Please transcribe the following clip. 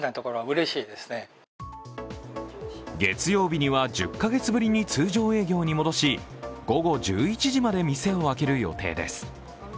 月曜日には１０カ月ぶりに通常営業に戻し午後１１時まで店を開ける予定です。